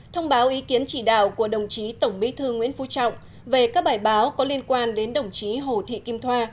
thông báo ý kiến chỉ đạo của đồng chí tổng bí thư nguyễn phú trọng về các bài báo có liên quan đến đồng chí hồ thị kim thoa